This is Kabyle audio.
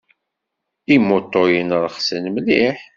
Imuṭuyen rexsen mliḥ.